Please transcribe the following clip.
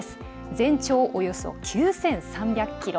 全長およそ９３００ｋｍ。